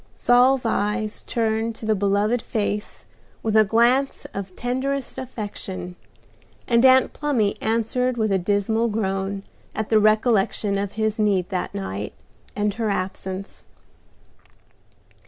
Saul's eyes turned to the beloved face with a glance of tenderest affection, and Aunt Plumy answered with a dismal groan at the recollection of his need that night, and her absence.